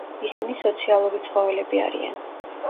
ისინი სოციალური ცხოველები არიან.